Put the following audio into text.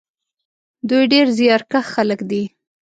دوی ډېر زیارکښ خلک دي.